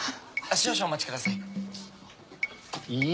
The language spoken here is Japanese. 少々お待ちください。